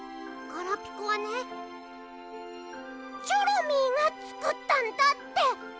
ガラピコはねチョロミーがつくったんだって。